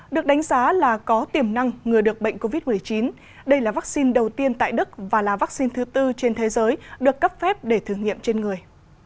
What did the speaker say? được đánh giá là có tiềm năng ngừa được bệnh covid một mươi chín đây là vaccine đầu tiên tại đức và là vaccine thứ tư trên thế giới được cấp phép để thử nghiệm trên người